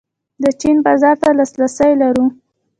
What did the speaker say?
د چین بازار ته لاسرسی لرو؟